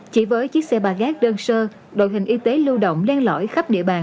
chỉ với chiếc xe ba gác đơn sơ đội hình y tế lưu động đen lõi khắp địa bàn